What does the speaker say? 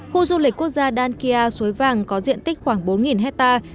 khu du lịch quốc gia dankia suối vàng có diện tích khoảng bốn hectare